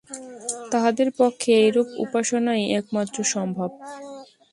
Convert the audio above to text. তাঁহাদের পক্ষে এইরূপ উপাসনাই একমাত্র সম্ভব।